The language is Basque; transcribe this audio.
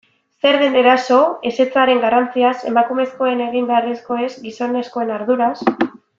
Zer den eraso, ezetzaren garrantziaz, emakumezkoen egin beharrekoez, gizonezkoen arduraz...